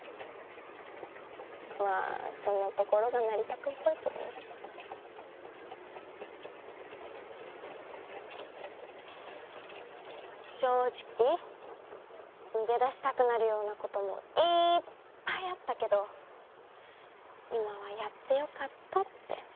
まあそんなところが成田くんっぽいけどね正直逃げ出したくなるようなこともいーっぱいあったけど今はやってよかったって